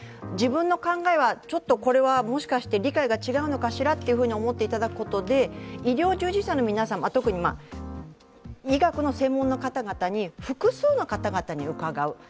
自分の考えは、もしかして理解が違うのかしらと思っていただくことで、医療従事者の皆様、特に医学の専門の複数の方々に伺う。